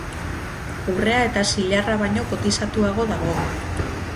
Urrea eta zilarra baino kotizatuago dago.